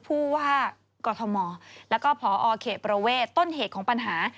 ผู้ว่ากอทมแล้วก็พอเขตประเวทต้นเหตุของปัญหา